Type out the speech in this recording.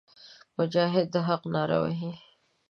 مجاهد د حق ناره وهي.